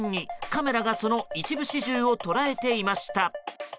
カメラがその一部始終を捉えていました。